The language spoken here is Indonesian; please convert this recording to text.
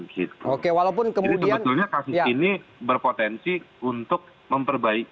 jadi kebetulannya kasus ini berpotensi untuk memperbaiki